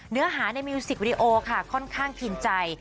เนื้อหาในมิวสิกวิดีโอค่ะค่อนข้างพินใจ